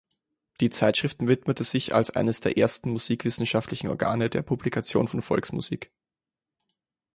Die Zeitschrift widmete sich als eines der ersten musikwissenschaftlichen Organe der Publikation von Volksmusik.